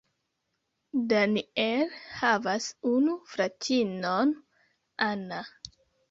Daniel havas unu fratinon Anna.